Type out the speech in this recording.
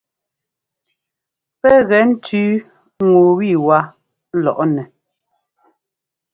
Pɛ́ gɛ ńtʉ́u ŋu ẅiwá lɔʼnɛ.